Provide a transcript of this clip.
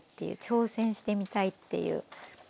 挑戦してみたいっていう。